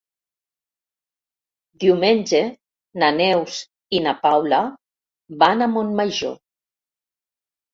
Diumenge na Neus i na Paula van a Montmajor.